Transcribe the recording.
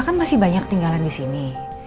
kan masih banyak tinggalan disini